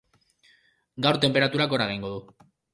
Gaur, tenperaturak gora egingo du.